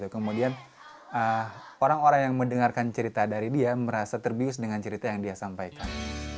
kemudian orang orang yang mendengarkan cerita dari dia merasa terbius dengan cerita yang dia sampaikan